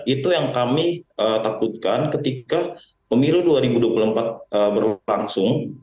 itu yang kami takutkan ketika pemilu dua ribu dua puluh empat berlangsung